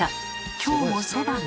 今日もそばが。